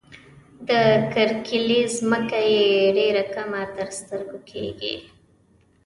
د کرکيلې ځمکه یې ډېره کمه تر سترګو کيږي.